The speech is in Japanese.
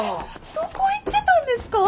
どこ行ってたんですか！？